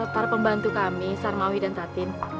para pembantu kami sarmawi dan satin